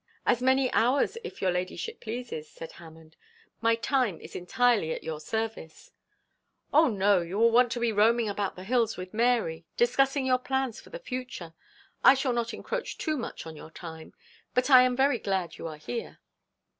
'As many hours, if your ladyship pleases,' said Hammond. 'My time is entirely at your service.' 'Oh, no, you will want to be roaming about the hills with Mary, discussing your plans for the future. I shall not encroach too much on your time. But I am very glad you are here.'